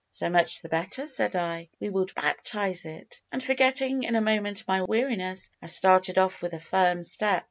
'So much the better,' said I, 'we will baptize it!' And, forgetting in a moment my weariness, I started off with a firm step.